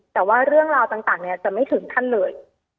แต่ว่าเรื่องราวต่างจะไม่ถึงขั้นเลย